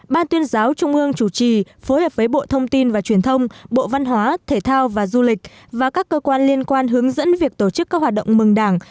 ban tuyên giáo trung ương chủ trì phối hợp với bộ thông tin và truyền thông bộ văn hóa thể thao và du lịch và các cơ quan liên quan hướng dẫn việc tổ chức các hoạt động mừng đảng